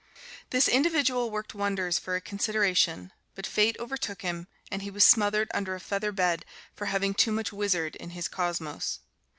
This individual worked wonders for a consideration, but Fate overtook him and he was smothered under a feather bed for having too much wizard in his cosmos.